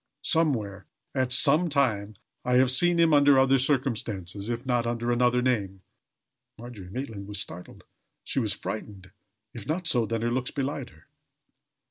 Somewhere, at some time, I have seen him under other circumstances, if not under another name." Margery Maitland was startled she was frightened. If not so, then her looks belied her.